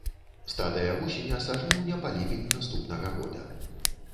Стадыя вусеня са жніўня па ліпень наступнага года.